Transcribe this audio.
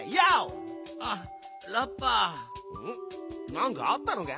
なんかあったのか？